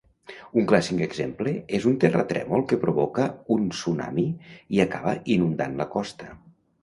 Un clàssic exemple és un terratrèmol que provoca un tsunami i acaba inundant la costa.